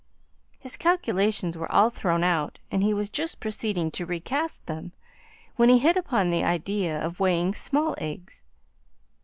His calculations were all thrown out, and he was just proceeding to recast them when he hit upon the idea of weighing small eggs.